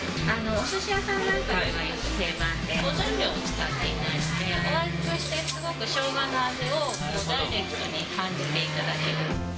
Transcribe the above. おすし屋さん屋さんなんかの定番で、保存料を使っていないので、お味として、すごくしょうがの味をダイレクトに感じていただける。